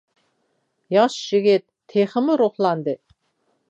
ياش يىگىت تېخىمۇ روھلاندى.